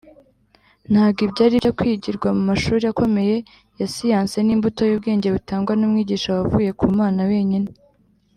ntabwo ibyo ari ibyo kwigirwa mu mashuri akomeye ya siyansi ni imbuto y’ubwenge butangwa n’umwigisha wavuye ku mana wenyine